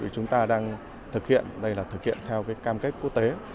chúng ta đang thực hiện theo cam kết quốc tế